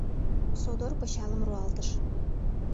Содор пычалым руалтыш.